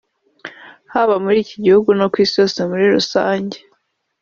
haba muri iki gihugu no ku isi hose muri rusange